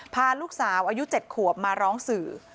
พาลูกสาวอายุ๗ขวบมาร้องสื่อ